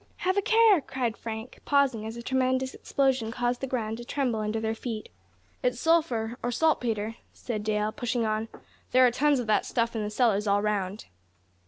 "Have a care!" cried Frank, pausing as a tremendous explosion caused the ground to tremble under their feet. "It's sulphur or saltpetre," said Dale, pushing on; "there are tons upon tons of that stuff in the cellars all round."